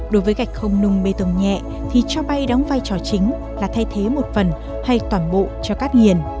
đối với gạch không nung bê tông nhẹ thì cho bay đóng vai trò chính là thay thế một phần hay toàn bộ cho các nghiền